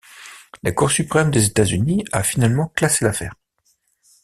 La Cour suprême des États-Unis a finalement classé l'affaire.